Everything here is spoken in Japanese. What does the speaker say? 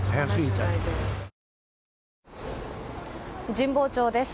神保町です。